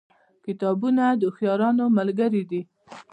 کتابونه د هوښیارانو ملګري دي.